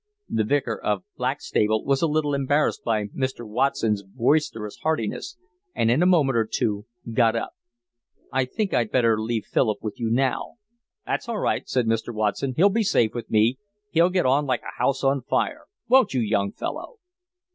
The Vicar of Blackstable was a little embarrassed by Mr. Watson's boisterous heartiness, and in a moment or two got up. "I think I'd better leave Philip with you now." "That's all right," said Mr. Watson. "He'll be safe with me. He'll get on like a house on fire. Won't you, young fellow?"